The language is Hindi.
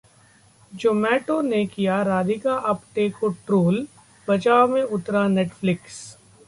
जोमैटो ने किया राधिका आप्टे को ट्रोल, बचाव में उतरा नेटफ्लिक्स